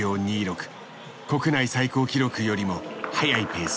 国内最高記録よりも速いペース。